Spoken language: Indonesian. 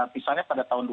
misalnya pada tahun